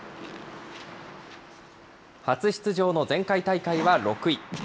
初出場の前回大会は６位。